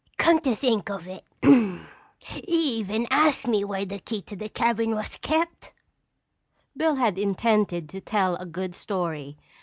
Come to think of it, he even asked me where the key to the cabin was kept!" Bill had intended to tell a good story.